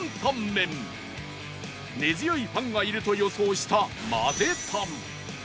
根強いファンがいると予想したまぜタン